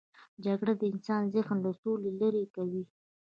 جګړه د انسان ذهن له سولې لیرې کوي